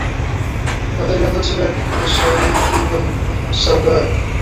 তাদের নেতা ছিলেন নাশাঈল ইবন সাওগার।